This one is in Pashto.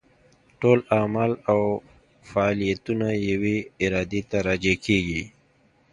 ټول اعمال او فاعلیتونه یوې ارادې ته راجع کېږي.